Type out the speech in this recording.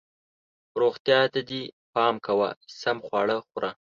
روغتیا ته دې پام کوه ، سم خواړه خوره